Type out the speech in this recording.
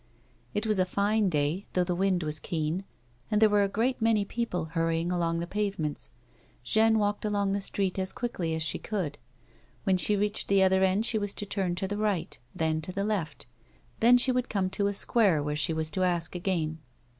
It was a fine day, though the wind was keen, and there were a great many people hurrying along the pavements. Jeanne walked along the street as quickly as she could. When she reached the other end, she was to turn to the right, then to the left ; then she would come to a square, where she was to ask again.